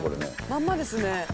まんまですね。